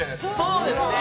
そうですね！